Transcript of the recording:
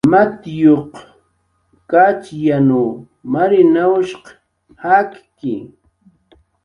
Matiyuq Kachyanw Marinawshq jakki